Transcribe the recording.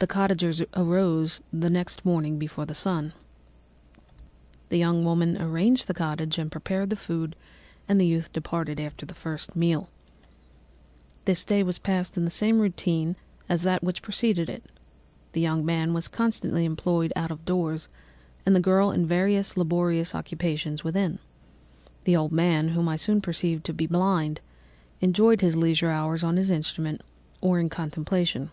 "The cottagers arose the next morning before the sun. The young woman arranged the cottage and prepared the food, and the youth departed after the first meal. "This day was passed in the same routine as that which preceded it. The young man was constantly employed out of doors, and the girl in various laborious occupations within. The old man, whom I soon perceived to be blind, employed his leisure hours on his instrument or in contemplation.